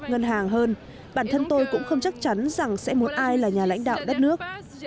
ngân hàng hơn bản thân tôi cũng không chắc chắn rằng sẽ muốn ai là nhà lãnh đạo đất nước